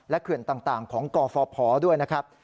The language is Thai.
เขื่อนต่างของกฟพด้วยนะครับ